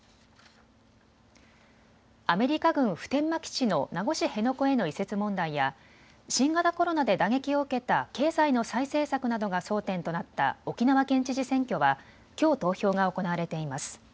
アメリカ軍普天間基地の名護市辺野古への移設問題や新型コロナで打撃を受けた経済の再生策などが争点となった沖縄県知事選挙はきょう投票が行われています。